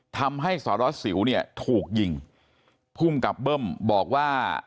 ทำให้สารวัสสิวเนี่ยถูกยิงภูมิกับเบิ้มบอกว่า